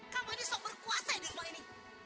kamu ini sok berkuasa ya derma ini